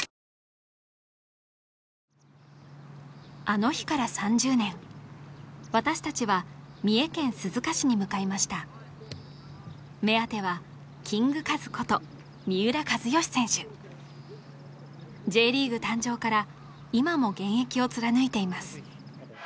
あの日から３０年私たちは三重県鈴鹿市に向かいました目当てはキングカズことＪリーグ誕生から今も現役を貫いています